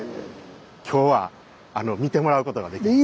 今日は見てもらうことができます。